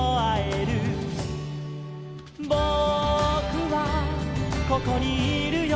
「ぼくはここにいるよ」